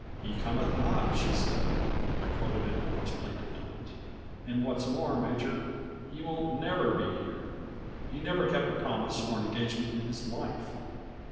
"'He cometh not, she said,'" I quoted in my most plaintive tones. "And what's more, Major, he won't never be here. He never kept a promise or an engagement in his life.